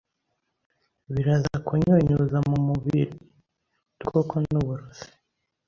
Biraza kunyunyuza mu muburi udukoko n’uburozi